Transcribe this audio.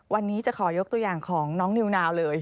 วันนี้จะขอยกตัวอย่างของน้องนิวนาวเลย